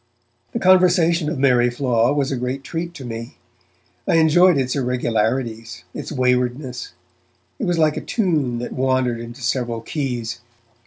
The conversation of Mary Flaw was a great treat to me. I enjoyed its irregularities, its waywardness; it was like a tune that wandered into several keys.